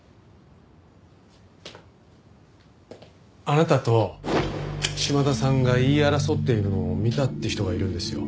あなたと島田さんが言い争っているのを見たって人がいるんですよ。